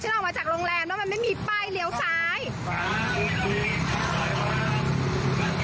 ออกมาจากโรงแรมแล้วมันไม่มีป้ายเลี้ยวซ้าย